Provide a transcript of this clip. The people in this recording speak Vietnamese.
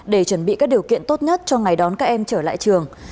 để chuẩn bị các điều kiện tốt nhất cho ngày đón các em trở lại trường